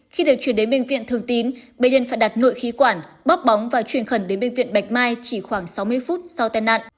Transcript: khi được chuyển đến bệnh viện thường tín bệnh nhân phải đặt nội khí quản bóp bóng và chuyển khẩn đến bệnh viện bạch mai chỉ khoảng sáu mươi phút sau tai nạn